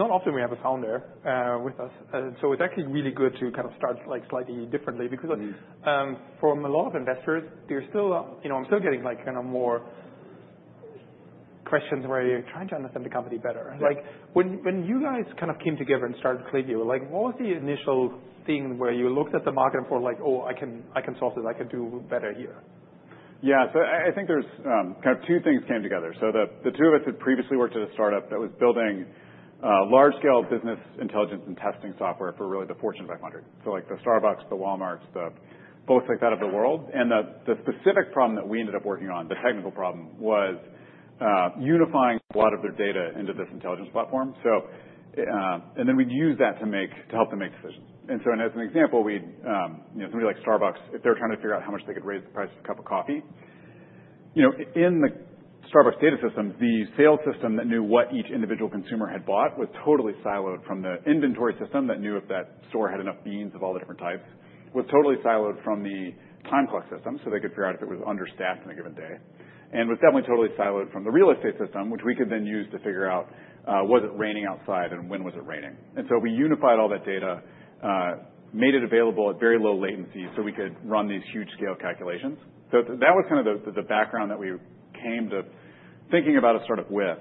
Not often we have a founder with us, so it's actually really good to kind of start, like, slightly differently because from a lot of investors, they're still, you know, I'm still getting, like, kind of more questions where they're trying to understand the company better. Mm-hmm. Like, when you guys kind of came together and started Klaviyo, like, what was the initial thing where you looked at the market and thought, like, "Oh, I can solve this. I can do better here"? Yeah. So I think there's kind of two things came together. So the two of us had previously worked at a startup that was building large-scale business intelligence and testing software for really the Fortune 500. So, like, the Starbucks, the Walmarts, the folks like that of the world. And the specific problem that we ended up working on, the technical problem, was unifying a lot of their data into this intelligence platform. So and then we'd use that to help them make decisions. And so, as an example, we'd, you know, somebody like Starbucks, if they were trying to figure out how much they could raise the price of a cup of coffee, you know, in the Starbucks data system, the sales system that knew what each individual consumer had bought was totally siloed from the inventory system that knew if that store had enough beans of all the different types, was totally siloed from the time clock system so they could figure out if it was understaffed in a given day, and was definitely totally siloed from the real estate system, which we could then use to figure out, was it raining outside and when was it raining? And so we unified all that data, made it available at very low latency so we could run these huge-scale calculations. So that was kind of the background that we came to thinking about a startup with.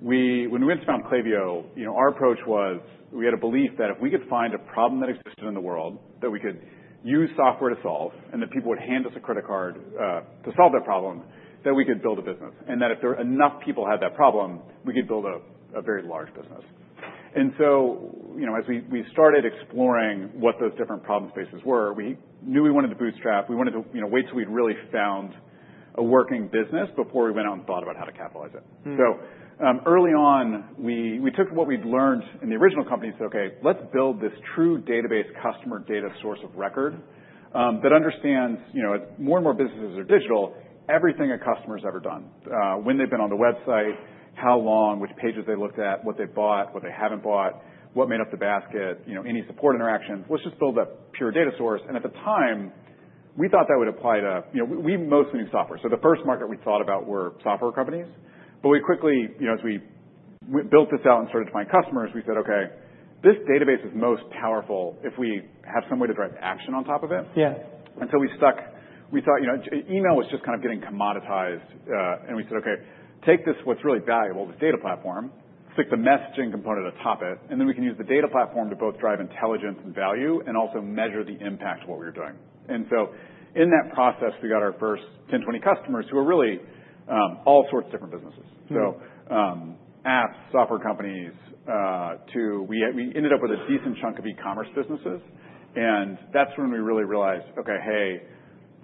When we went to found Klaviyo, you know, our approach was we had a belief that if we could find a problem that existed in the world that we could use software to solve and that people would hand us a credit card, to solve their problem, that we could build a business and that if there were enough people who had that problem, we could build a very large business. And so, you know, as we started exploring what those different problem spaces were, we knew we wanted to bootstrap. We wanted to, you know, wait till we'd really found a working business before we went out and thought about how to capitalize it. Mm-hmm. So, early on, we took what we'd learned in the original company and said, "Okay, let's build this true database customer data source of record, that understands, you know, as more and more businesses are digital, everything a customer's ever done, when they've been on the website, how long, which pages they looked at, what they bought, what they haven't bought, what made up the basket, you know, any support interactions. Let's just build a pure data source." And at the time, we thought that would apply to, you know, we mostly knew software. So the first market we thought about were software companies. But we quickly, you know, as we built this out and started to find customers, we said, "Okay, this database is most powerful if we have some way to drive action on top of it. Yeah. And so we stuck, we thought, you know, email was just kind of getting commoditized, and we said, "Okay, take this, what's really valuable, this data platform, stick the messaging component atop it, and then we can use the data platform to both drive intelligence and value and also measure the impact of what we were doing." And so in that process, we got our first 10, 20 customers who are really all sorts of different businesses. Mm-hmm. So, apps, software companies too, we ended up with a decent chunk of e-commerce businesses. And that's when we really realized, "Okay, hey,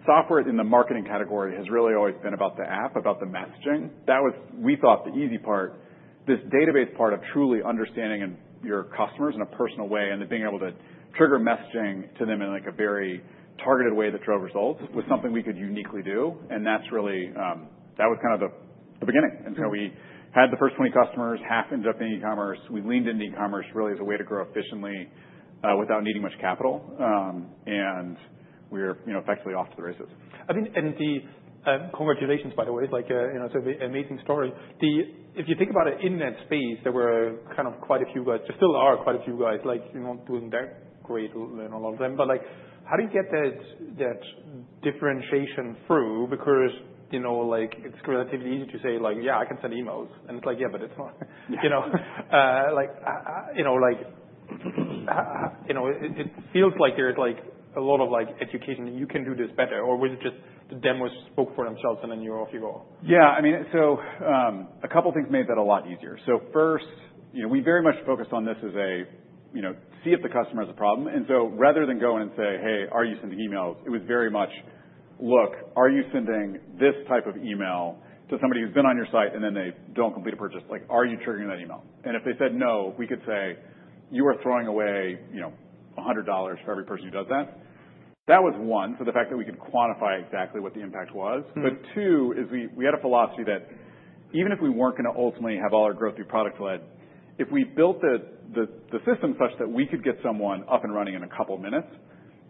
software in the marketing category has really always been about the app, about the messaging." That was, we thought, the easy part. This database part of truly understanding your customers in a personal way and then being able to trigger messaging to them in, like, a very targeted way that drove results was something we could uniquely do. And that's really, that was kind of the beginning. Mm-hmm. And so we had the first 20 customers, half ended up in e-commerce. We leaned into e-commerce really as a way to grow efficiently, without needing much capital, and we were, you know, effectively off to the races. I mean, congratulations, by the way. It's like, you know, it's an amazing story. If you think about it in that space, there were kind of quite a few guys. There still are quite a few guys, like, you know, doing great in a lot of them. But like, how do you get that differentiation through? Because, you know, like, it's relatively easy to say, like, "Yeah, I can send emails," and it's like, "Yeah, but it's not. Yeah. You know, like, you know, it feels like there's, like, a lot of, like, education, "You can do this better," or was it just the demos spoke for themselves and then you're off you go? Yeah. I mean, so, a couple things made that a lot easier, so first, you know, we very much focused on this as a, you know, see if the customer has a problem. And so rather than going and say, "Hey, are you sending emails?" it was very much, "Look, are you sending this type of email to somebody who's been on your site and then they don't complete a purchase? Like, are you triggering that email?" And if they said no, we could say, "You are throwing away, you know, $100 for every person who does that." That was one, so the fact that we could quantify exactly what the impact was. Mm-hmm. But two is we had a philosophy that even if we weren't gonna ultimately have all our growth be product-led, if we built the system such that we could get someone up and running in a couple minutes,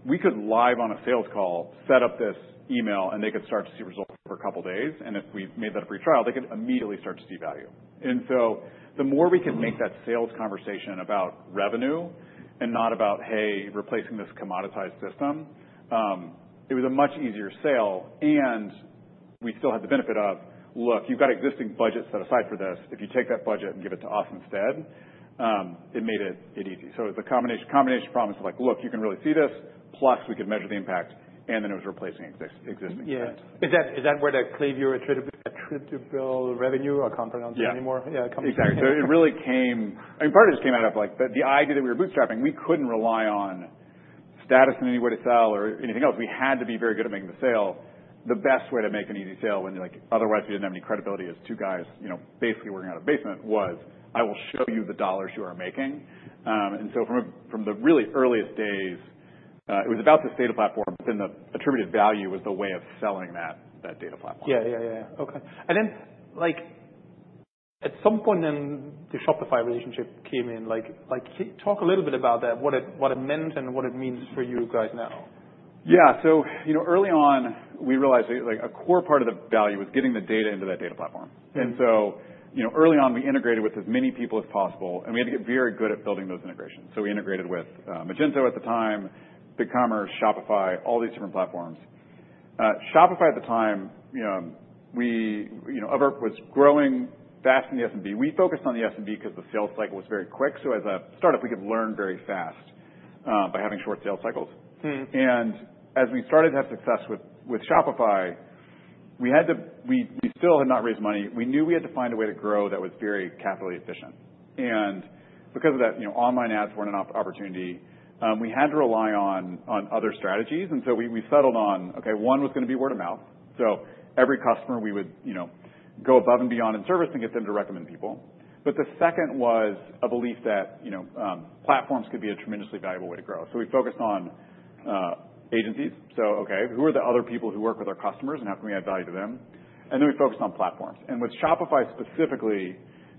we could live on a sales call, set up this email, and they could start to see results for a couple days. And if we made that a free trial, they could immediately start to see value. And so the more we could make that sales conversation about revenue and not about, "Hey, replacing this commoditized system," it was a much easier sale. And we still had the benefit of, "Look, you've got existing budgets set aside for this. If you take that budget and give it to us instead," it made it easy. So it was a combination of promise of, like, "Look, you can really see this, plus we could measure the impact," and then it was replacing existing sites. Yeah. Is that where the Klaviyo attributable revenue? I can't pronounce it anymore. Yeah. Anymore? Yeah, comes from? Exactly. So it really came. I mean, part of it just came out of, like, the idea that we were bootstrapping. We couldn't rely on status in any way to sell or anything else. We had to be very good at making the sale. The best way to make an easy sale when, like, otherwise we didn't have any credibility as two guys, you know, basically working out of a basement was, "I will show you the dollars you are making." And so from the really earliest days, it was about this data platform, but then the attributed value was the way of selling that data platform. Yeah, yeah, yeah, yeah. Okay. And then, like, at some point then the Shopify relationship came in. Like, talk a little bit about that, what it meant and what it means for you guys now. Yeah, so you know, early on, we realized that, like, a core part of the value was getting the data into that data platform. Mm-hmm. And so, you know, early on, we integrated with as many people as possible, and we had to get very good at building those integrations. So we integrated with Magento at the time, BigCommerce, Shopify, all these different platforms. Shopify at the time, you know, we, you know, we were growing fast in the SMB. We focused on the SMB 'cause the sales cycle was very quick. So as a startup, we could learn very fast by having short sales cycles. Mm-hmm. As we started to have success with Shopify, we still had not raised money. We knew we had to find a way to grow that was very capital efficient. And because of that, you know, online ads weren't an opportunity. We had to rely on other strategies. And so we settled on, okay, one was gonna be word of mouth. So every customer, we would, you know, go above and beyond in service and get them to recommend people. But the second was a belief that, you know, platforms could be a tremendously valuable way to grow. So we focused on agencies. So, okay, who are the other people who work with our customers, and how can we add value to them? And then we focused on platforms. With Shopify specifically,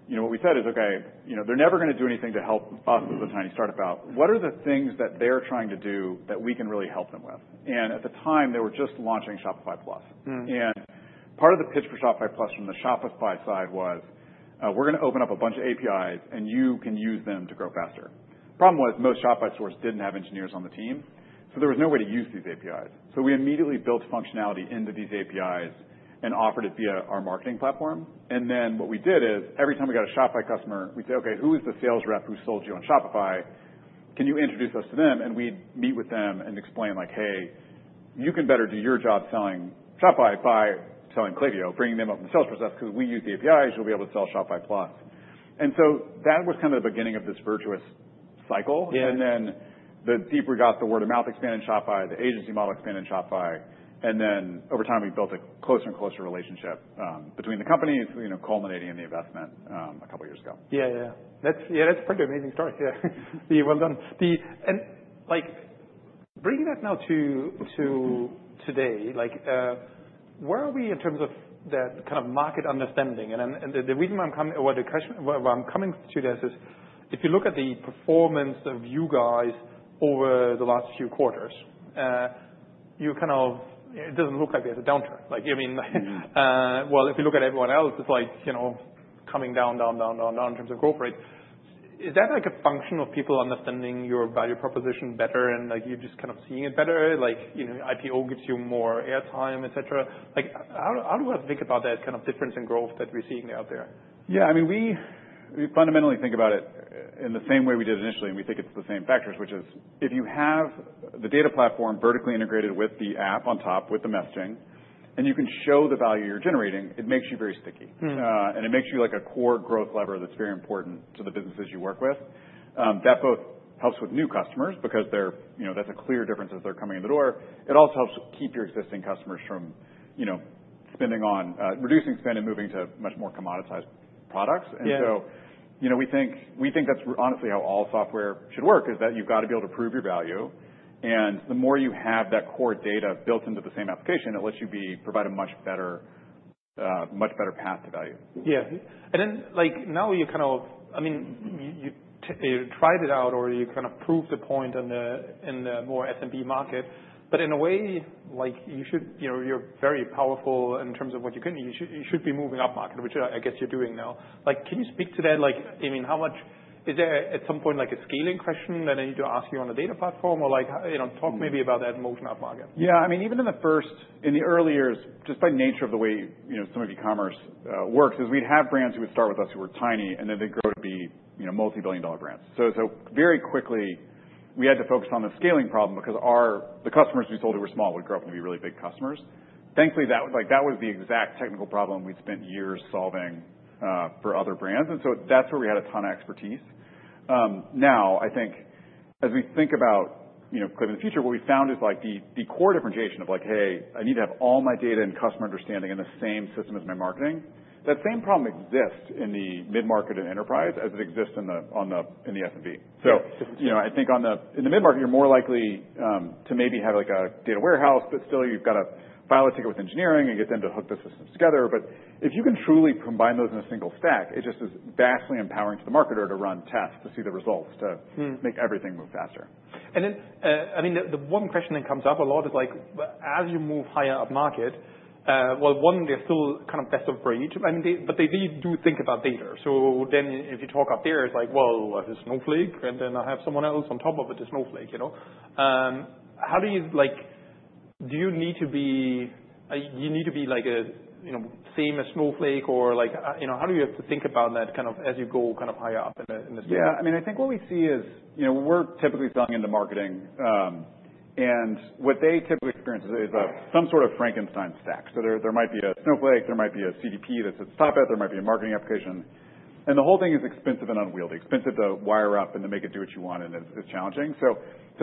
you know, what we said is, "Okay, you know, they're never gonna do anything to help us as a tiny startup out. What are the things that they're trying to do that we can really help them with?" At the time, they were just launching Shopify Plus. Mm-hmm. And part of the pitch for Shopify Plus from the Shopify side was, "We're gonna open up a bunch of APIs, and you can use them to grow faster." Problem was most Shopify stores didn't have engineers on the team, so there was no way to use these APIs. So we immediately built functionality into these APIs and offered it via our marketing platform. And then what we did is every time we got a Shopify customer, we'd say, "Okay, who is the sales rep who sold you on Shopify? Can you introduce us to them?" And we'd meet with them and explain, like, "Hey, you can better do your job selling Shopify by selling Klaviyo, bringing them up in the sales process 'cause we use the APIs. You'll be able to sell Shopify Plus." And so that was kind of the beginning of this virtuous cycle. Yeah. And then, the deeper we got, the word of mouth expanded Shopify. The agency model expanded Shopify. And then, over time, we built a closer and closer relationship between the companies, you know, culminating in the investment a couple years ago. Yeah, yeah, yeah. That's, yeah, that's a pretty amazing story. Yeah. Well done. And, like, bringing that now to, to today, like, where are we in terms of that kind of market understanding? And, and the reason why I'm coming or the question why I'm coming to this is if you look at the performance of you guys over the last few quarters, you know, it doesn't look like there's a downturn. Like, I mean, well, if you look at everyone else, it's like, you know, coming down, down, down, down, down in terms of growth rate. Is that, like, a function of people understanding your value proposition better and, like, you just kind of seeing it better? Like, you know, IPO gives you more airtime, etc.? Like, how, how do you guys think about that kind of difference in growth that we're seeing out there? Yeah. I mean, we, we fundamentally think about it in the same way we did initially, and we think it's the same factors, which is if you have the data platform vertically integrated with the app on top with the messaging, and you can show the value you're generating, it makes you very sticky. Mm-hmm. And it makes you like a core growth lever that's very important to the businesses you work with. That both helps with new customers because they're, you know, that's a clear difference as they're coming in the door. It also helps keep your existing customers from, you know, spending on, reducing spend and moving to much more commoditized products. Yeah. And so, you know, we think that's honestly how all software should work, is that you've got to be able to prove your value. And the more you have that core data built into the same application, it lets you provide a much better path to value. Yeah. And then, like, now you kind of I mean, you tried it out or you kind of proved the point in the more SMB market. But in a way, like, you should, you know, you're very powerful in terms of what you can. You should be moving up market, which I guess you're doing now. Like, can you speak to that? Like, I mean, how much is there at some point, like, a scaling question that I need to ask you on the data platform or, like, you know, talk maybe about that motion up market? Yeah. I mean, even in the early years, just by nature of the way, you know, some of e-commerce works, we'd have brands who would start with us who were tiny and then they'd grow to be, you know, multi-billion-dollar brands. So very quickly, we had to focus on the scaling problem because our customers we sold who were small would grow up and be really big customers. Thankfully, that like, that was the exact technical problem we'd spent years solving for other brands. And so that's where we had a ton of expertise. Now, I think as we think about, you know, kind of in the future, what we found is, like, the, the core differentiation of, like, "Hey, I need to have all my data and customer understanding in the same system as my marketing." That same problem exists in the mid-market and enterprise as it exists in the SMB. Yeah. So, you know, I think in the mid-market, you're more likely to maybe have, like, a data warehouse, but still you've got to file a ticket with engineering and get them to hook the systems together. But if you can truly combine those in a single stack, it just is vastly empowering to the marketer to run tests to see the results to. Mm-hmm. Make everything move faster. And then, I mean, the one question that comes up a lot is, like, as you move higher up market, well, one, they're still kind of best of breed. I mean, they do think about data. So then if you talk up there, it's like, "Well, I have Snowflake, and then I have someone else on top of it, the Snowflake," you know? How do you, like, do you need to be, like, a, you know, same as Snowflake or, like, you know, how do you have to think about that kind of as you go kind of higher up in the stack? Yeah. I mean, I think what we see is, you know, we're typically selling into marketing, and what they typically experience is some sort of Frankenstein stack. So there might be a Snowflake. There might be a CDP that sits on top of it. There might be a marketing application. And the whole thing is expensive and unwieldy to wire up and to make it do what you want, and it's challenging. So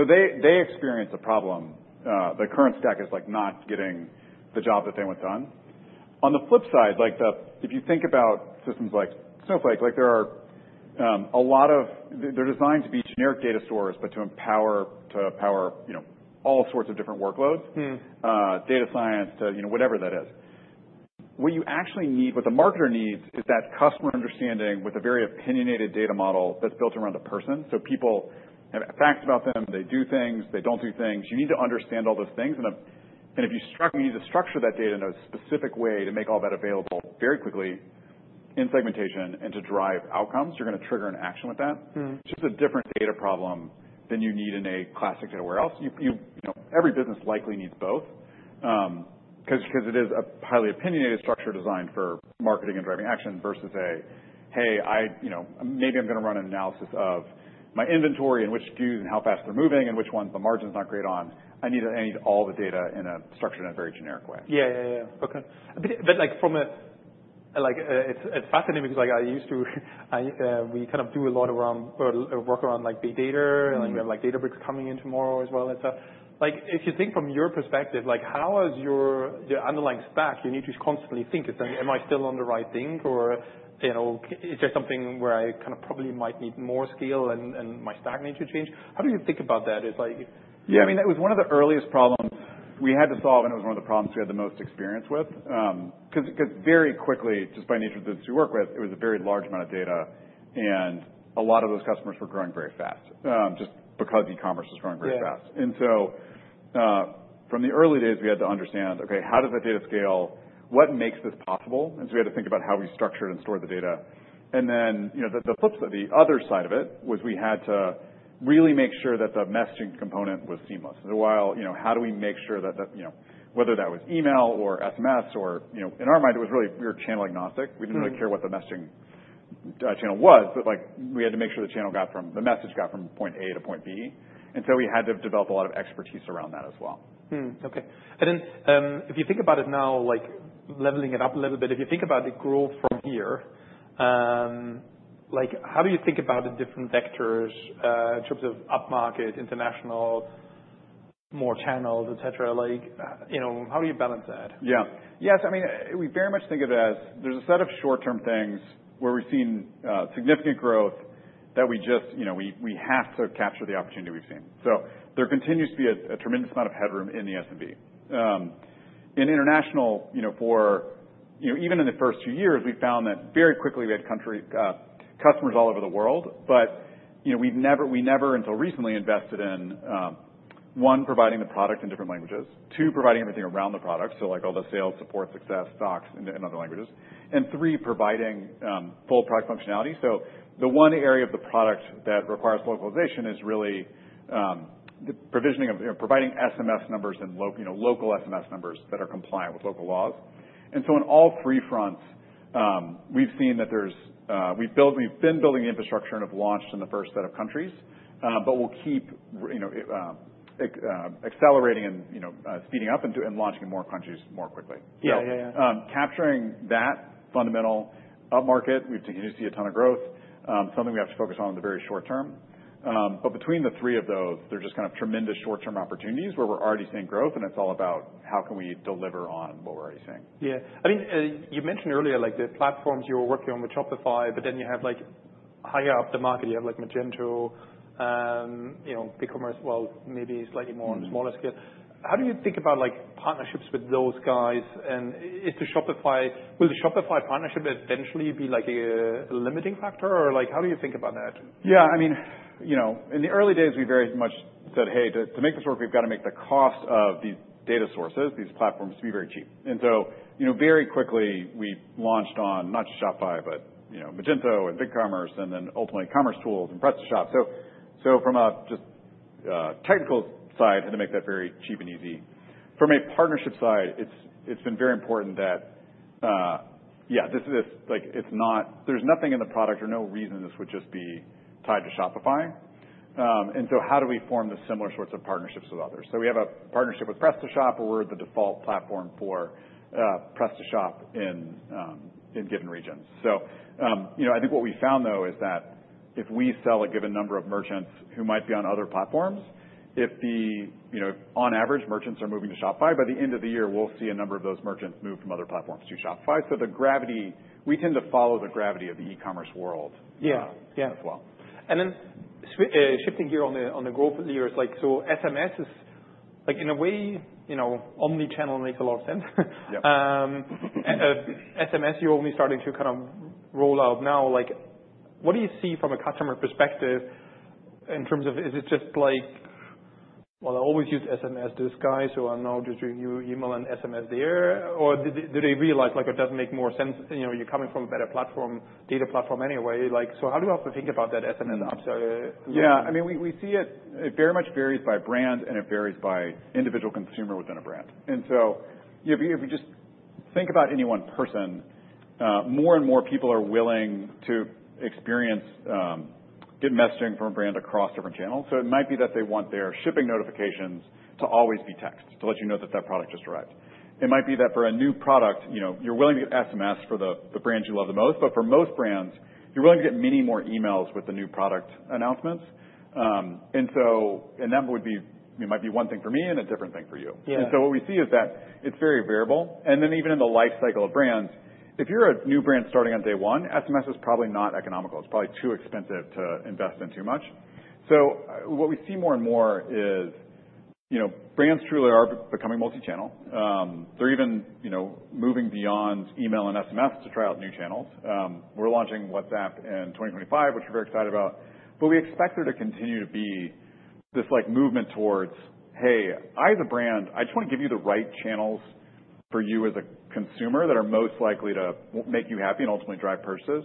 they experience a problem. The current stack is, like, not getting the job that they want done. On the flip side, like, if you think about systems like Snowflake, like, there are a lot of they're designed to be generic data stores, but to power, you know, all sorts of different workloads. Mm-hmm. Data science to, you know, whatever that is. What you actually need, what the marketer needs, is that customer understanding with a very opinionated data model that's built around a person. So people have facts about them. They do things. They don't do things. You need to understand all those things. And if you want to structure that data in a specific way to make all that available very quickly in segmentation and to drive outcomes, you're gonna trigger an action with that. Mm-hmm. Which is a different data problem than you need in a classic data warehouse. You know, every business likely needs both, 'cause it is a highly opinionated structure designed for marketing and driving action versus a, "Hey, I, you know, maybe I'm gonna run an analysis of my inventory and which SKUs and how fast they're moving and which ones the margin's not great on. I need all the data in a structured and a very generic way. Yeah, yeah, yeah. Okay. But, like, from, like, it's fascinating because, like, I used to, we kind of do a lot around our work around, like, big data. Mm-hmm. Like, we have, like, Databricks coming in tomorrow as well and stuff. Like, if you think from your perspective, like, how is your underlying stack you need to constantly think is like, "Am I still on the right thing?" or, you know, "Is there something where I kind of probably might need more skill and my stack needs to change?" How do you think about that? It's like. Yeah. I mean, that was one of the earliest problems we had to solve, and it was one of the problems we had the most experience with. 'Cause very quickly, just by nature of the business we work with, it was a very large amount of data, and a lot of those customers were growing very fast, just because e-commerce was growing very fast. Yeah. And so, from the early days, we had to understand, "Okay, how does that data scale? What makes this possible?" And so we had to think about how we structured and stored the data. And then, you know, the flip side, the other side of it was we had to really make sure that the messaging component was seamless. And while, you know, how do we make sure that, you know, whether that was email or SMS or, you know, in our mind, it was really we were channel agnostic. Mm-hmm. We didn't really care what the messaging channel was, but like we had to make sure the message got from point A to point B. And so we had to develop a lot of expertise around that as well. Okay. And then, if you think about it now, like, leveling it up a little bit, if you think about the growth from here, like, how do you think about the different vectors, in terms of up market, international, more channels, etc.? Like, you know, how do you balance that? Yeah. Yeah. So, I mean, we very much think of it as there's a set of short-term things where we've seen significant growth that we just, you know, we have to capture the opportunity we've seen. So there continues to be a tremendous amount of headroom in the SMB in international, you know, for, you know, even in the first few years, we found that very quickly we had customers all over the world. But, you know, we've never until recently invested in, one, providing the product in different languages, two, providing everything around the product, so, like, all the sales, support, success, docs, and other languages, and three, providing full product functionality. So the one area of the product that requires localization is really the provisioning of, you know, providing SMS numbers and, you know, local SMS numbers that are compliant with local laws. And so on all three fronts, we've seen that there's, we've been building the infrastructure and have launched in the first set of countries, but we'll keep, you know, accelerating and, you know, speeding up and launching in more countries more quickly. Yeah, yeah, yeah. So, capturing that fundamental up market, we continue to see a ton of growth, something we have to focus on in the very short term. But between the three of those, there's just kind of tremendous short-term opportunities where we're already seeing growth, and it's all about how can we deliver on what we're already seeing. Yeah. I mean, you mentioned earlier, like, the platforms you were working on with Shopify, but then you have, like, higher up the market, you have, like, Magento, you know, BigCommerce, well, maybe slightly more on the smaller scale. How do you think about, like, partnerships with those guys? And is the Shopify will the Shopify partnership eventually be, like, a, a limiting factor or, like, how do you think about that? Yeah. I mean, you know, in the early days, we very much said, "Hey, to make this work, we've got to make the cost of these data sources, these platforms to be very cheap." And so, you know, very quickly, we launched on not just Shopify, but, you know, Magento and BigCommerce and then ultimately commercetools and PrestaShop. So from just a technical side, had to make that very cheap and easy. From a partnership side, it's been very important that, yeah, this like, it's not there's nothing in the product or no reason this would just be tied to Shopify. And so how do we form the similar sorts of partnerships with others? So we have a partnership with PrestaShop, where we're the default platform for PrestaShop in given regions. So, you know, I think what we found, though, is that if we sell a given number of merchants who might be on other platforms, if, you know, on average, merchants are moving to Shopify. By the end of the year, we'll see a number of those merchants move from other platforms to Shopify. So, we tend to follow the gravity of the e-commerce world. Yeah. Yeah. As well. Then, shifting gear on the growth levers, like, so SMS is like, in a way, you know, omnichannel makes a lot of sense. Yeah. SMS, you're only starting to kind of roll out now. Like, what do you see from a customer perspective in terms of is it just like, "Well, I always used SMS, this guy, so I'm now just doing new email and SMS there"? Or do they realize, like, it does make more sense? You know, you're coming from a better platform, data platform anyway. Like, so how do you often think about that SMS upsell? Yeah. I mean, we see it very much varies by brand, and it varies by individual consumer within a brand. And so, you know, if you just think about any one person, more and more people are willing to experience, get messaging from a brand across different channels. So it might be that they want their shipping notifications to always be texts to let you know that product just arrived. It might be that for a new product, you know, you're willing to get SMS for the brands you love the most, but for most brands, you're willing to get many more emails with the new product announcements. And so, that would be. It might be one thing for me and a different thing for you. Yeah. And so what we see is that it's very variable. And then even in the life cycle of brands, if you're a new brand starting on day one, SMS is probably not economical. It's probably too expensive to invest in too much. So what we see more and more is, you know, brands truly are becoming multi-channel. They're even, you know, moving beyond email and SMS to try out new channels. We're launching WhatsApp in 2025, which we're very excited about. But we expect there to continue to be this, like, movement towards, "Hey, I, as a brand, I just want to give you the right channels for you as a consumer that are most likely to make you happy and ultimately drive purchases."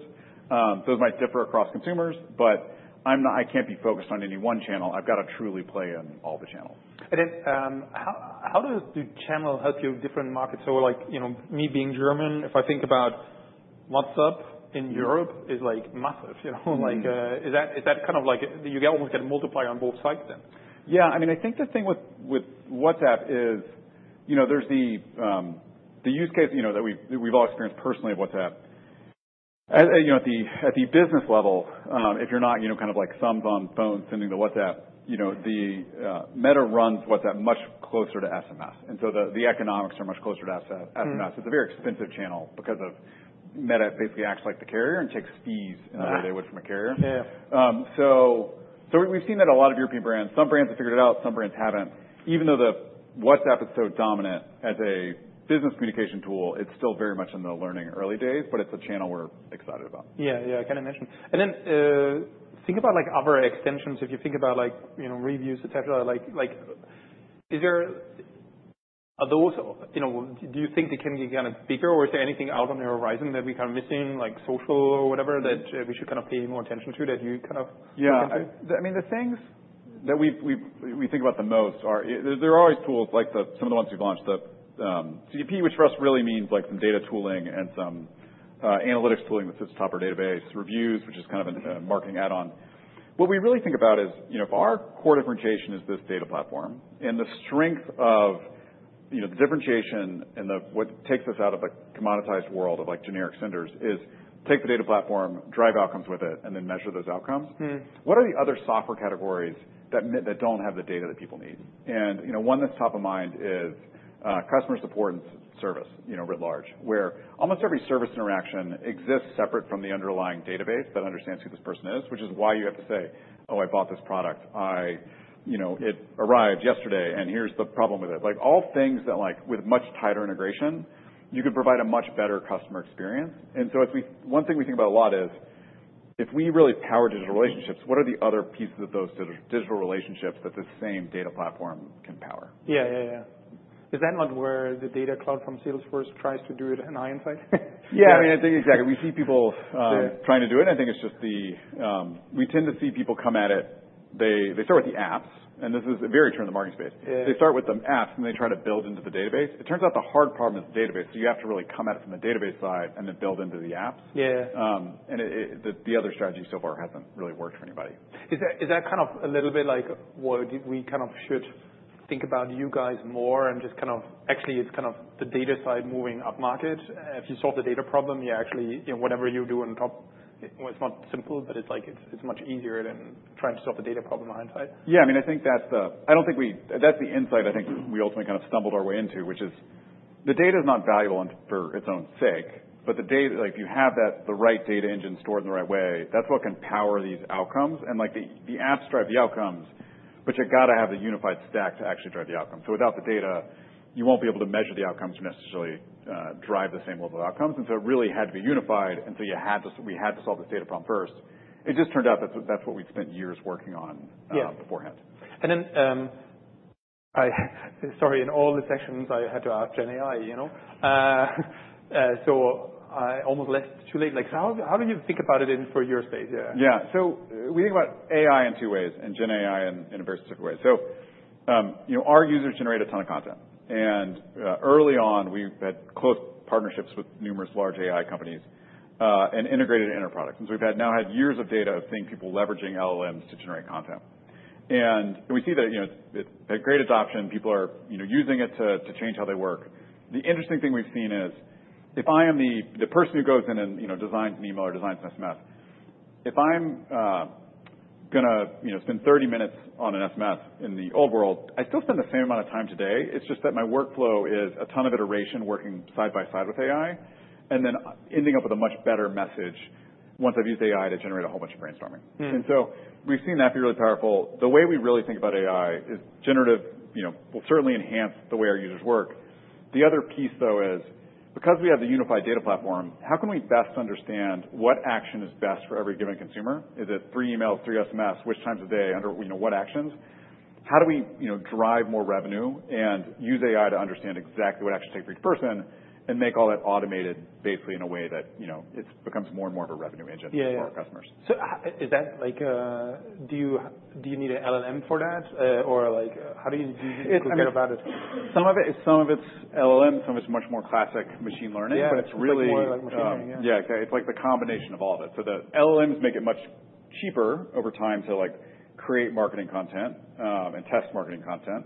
Those might differ across consumers, but I'm not, I can't be focused on any one channel. I've got to truly play in all the channels. And then, how does the channel help your different markets? So, like, you know, me being German, if I think about WhatsApp in Europe, it's like massive, you know. Mm-hmm. Like, is that kind of like you get almost a multiplier on both sides then? Yeah. I mean, I think the thing with WhatsApp is, you know, there's the use case, you know, that we've all experienced personally of WhatsApp. At the business level, if you're not, you know, kind of like thumbs on phone sending the WhatsApp, you know, Meta runs WhatsApp much closer to SMS. And so the economics are much closer to SMS. Mm-hmm. It's a very expensive channel because Meta basically acts like the carrier and takes fees in a way. Yeah. They would from a carrier. Yeah. So we've seen that a lot of European brands. Some brands have figured it out. Some brands haven't. Even though the WhatsApp is so dominant as a business communication tool, it's still very much in the learning early days, but it's a channel we're excited about. Yeah, yeah. I kind of mentioned. And then, think about, like, other extensions. If you think about, like, you know, reviews, etc., like, is there are those, you know, do you think they can get kind of bigger, or is there anything out on the horizon that we're kind of missing, like social or whatever, that we should kind of pay more attention to that you kind of can do? Yeah. I mean, the things that we've we think about the most are there always tools like some of the ones we've launched, the CDP, which for us really means, like, some data tooling and some analytics tooling that sits top our database, reviews, which is kind of an marketing add-on. What we really think about is, you know, if our core differentiation is this data platform and the strength of, you know, the differentiation and the what takes us out of the commoditized world of, like, generic senders is take the data platform, drive outcomes with it, and then measure those outcomes. What are the other software categories that mean that don't have the data that people need? You know, one that's top of mind is customer support and service, you know, writ large, where almost every service interaction exists separate from the underlying database that understands who this person is, which is why you have to say, "Oh, I bought this product. I, you know, it arrived yesterday, and here's the problem with it." Like, all things that, like, with much tighter integration, you can provide a much better customer experience. And so, as one thing we think about a lot is, if we really power digital relationships, what are the other pieces of those digital relationships that the same data platform can power? Yeah, yeah, yeah. Is that not where the Data Cloud from Salesforce tries to do it in hindsight? Yeah. I mean, I think exactly. We see people, So. Trying to do it. I think it's just the, we tend to see people come at it they start with the apps, and this is very true in the marketing space. Yeah. They start with the apps, and they try to build into the database. It turns out the hard problem is the database, so you have to really come at it from the database side and then build into the apps. Yeah. And the other strategy so far hasn't really worked for anybody. Is that kind of a little bit like, well, we kind of should think about you guys more and just kind of actually, it's kind of the data side moving up market. If you solve the data problem, you actually, you know, whatever you do on top, it's not simple, but it's like it's much easier than trying to solve the data problem in hindsight. Yeah. I mean, I think that's the insight I think we ultimately kind of stumbled our way into, which is the data is not valuable in for its own sake, but the data like, if you have the right data engine stored in the right way, that's what can power these outcomes. And, like, the apps drive the outcomes, but you've got to have the unified stack to actually drive the outcome. So without the data, you won't be able to measure the outcomes or necessarily drive the same level of outcomes. And so it really had to be unified, and so we had to solve this data problem first. It just turned out that's what we'd spent years working on, beforehand. Yeah. Then, I'm sorry, in all the sections, I had to ask Gen AI, you know? So I almost left too late. Like, so how do you think about it in for your space? Yeah. Yeah. So we think about AI in two ways and Gen AI in a very specific way. So, you know, our users generate a ton of content. And early on, we had close partnerships with numerous large AI companies and integrated in our products. And so we've now had years of data of seeing people leveraging LLMs to generate content. And we see that, you know, it's had great adoption. People are, you know, using it to change how they work. The interesting thing we've seen is if I am the person who goes in and, you know, designs an email or designs an SMS, if I'm gonna, you know, spend 30 minutes on an SMS in the old world, I still spend the same amount of time today. It's just that my workflow is a ton of iteration working side by side with AI and then ending up with a much better message once I've used AI to generate a whole bunch of brainstorming. And so we've seen that be really powerful. The way we really think about AI is generative, you know, will certainly enhance the way our users work. The other piece, though, is because we have the unified data platform, how can we best understand what action is best for every given consumer? Is it three emails, three SMS, which times a day under, you know, what actions? How do we, you know, drive more revenue and use AI to understand exactly what action to take for each person and make all that automated basically in a way that, you know, it becomes more and more of a revenue engine for our customers? Yeah. So how is that like, do you need an LLM for that, or, like, how do you forget about it? Some of it's LLM. Some of it's much more classic machine learning. Yeah. It's really. It's more like machine learning, yeah. Yeah. Okay. It's like the combination of all of it. So the LLMs make it much cheaper over time to, like, create marketing content, and test marketing content.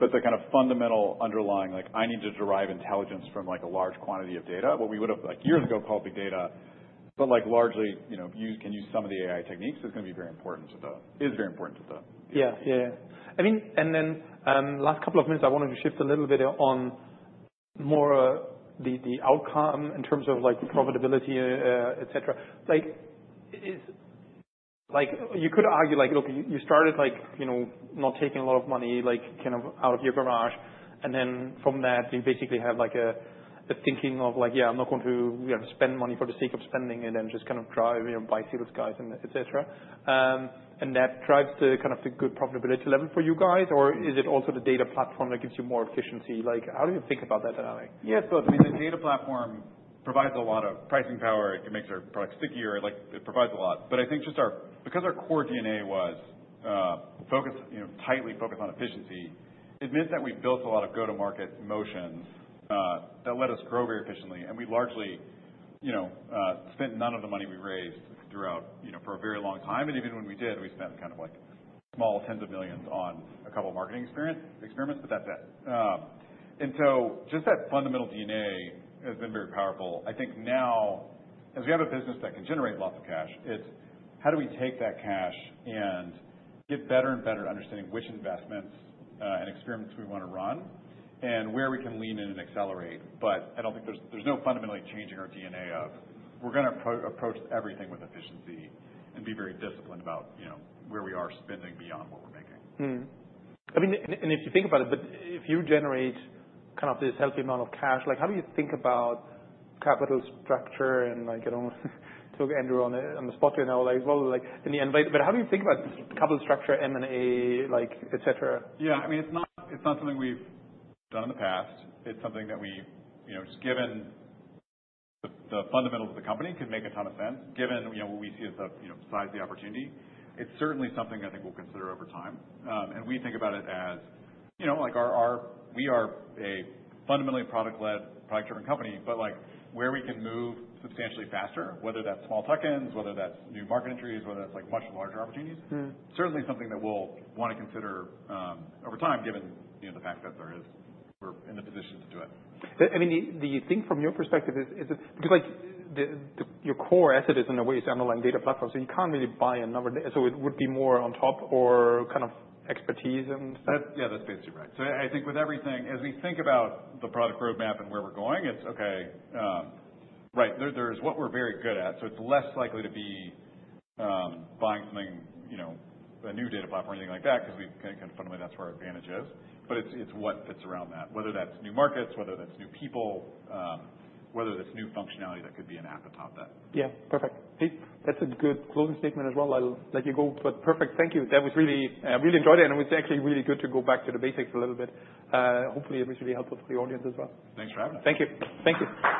But the kind of fundamental underlying, like, I need to derive intelligence from, like, a large quantity of data, what we would have, like, years ago called big data, but, like, largely, you know, you can use some of the AI techniques is going to be very important to the. Yeah, yeah, yeah. I mean, and then, last couple of minutes, I wanted to shift a little bit on more, the outcome in terms of, like, profitability, etc. Like, is like, you could argue, like, look, you started, like, you know, not taking a lot of money, like, kind of out of your garage, and then from that, you basically have, like, a thinking of, like, "Yeah, I'm not going to, you know, spend money for the sake of spending," and then just kind of drive, you know, hire sales guys, and etc. and that drives kind of the good profitability level for you guys, or is it also the data platform that gives you more efficiency? Like, how do you think about that dynamic? Yeah. So I mean, the data platform provides a lot of pricing power. It makes our product stickier. Like, it provides a lot. But I think just our because our core DNA was, focus, you know, tightly focused on efficiency, it meant that we built a lot of go-to-market motions, that let us grow very efficiently. And we largely, you know, spent none of the money we raised throughout, you know, for a very long time. And even when we did, we spent kind of, like, small tens of millions on a couple of marketing experience experiments, but that's it. And so just that fundamental DNA has been very powerful. I think now, as we have a business that can generate lots of cash, it's how do we take that cash and get better and better at understanding which investments and experiments we want to run and where we can lean in and accelerate. But I don't think there's no fundamentally changing our DNA of we're going to approach everything with efficiency and be very disciplined about, you know, where we are spending beyond what we're making. I mean, and if you think about it, but if you generate kind of this healthy amount of cash, like, how do you think about capital structure and, like, I don't want to end you on the spot, you know, like, well, like, in the end, but how do you think about capital structure, M&A, like, etc.? Yeah. I mean, it's not something we've done in the past. It's something that we've, you know, just given the fundamentals of the company can make a ton of sense, given, you know, what we see as the, you know, size of the opportunity. It's certainly something I think we'll consider over time. We think about it as, you know, like, our we are a fundamentally product-led, product-driven company, but, like, where we can move substantially faster, whether that's small tuck-ins, whether that's new market entries, whether that's, like, much larger opportunities. Certainly something that we'll want to consider over time, given, you know, the fact that there is we're in the position to do it. I mean, do you think from your perspective, is it because, like, your core asset is, in a way, underlying data platform, so you can't really buy another so it would be more on top or kind of expertise and stuff? That's yeah, that's basically right. So I think with everything, as we think about the product roadmap and where we're going, it's okay, right? There's what we're very good at, so it's less likely to be buying something, you know, a new data platform or anything like that because we can kind of fundamentally, that's where our advantage is. But it's, it's what fits around that, whether that's new markets, whether that's new people, whether that's new functionality that could be an app to top that. Yeah. Perfect. That's a good closing statement as well. I'll let you go. But perfect. Thank you. That was really, I really enjoyed it, and it was actually really good to go back to the basics a little bit. Hopefully, it was really helpful for the audience as well. Thanks for having us. Thank you. Thank you.